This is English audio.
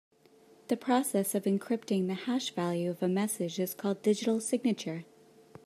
The process of encrypting the hash value of a message is called digital signature.